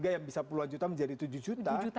yang bisa puluhan juta menjadi tujuh juta